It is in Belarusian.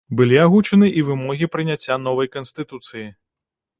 Былі агучаны і вымогі прыняцця новай канстытуцыі.